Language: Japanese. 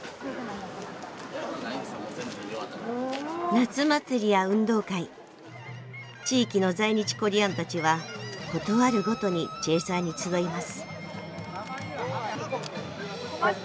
夏祭りや運動会地域の在日コリアンたちはことあるごとにチェーサーに集います。